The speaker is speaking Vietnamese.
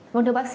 vâng thưa bác sĩ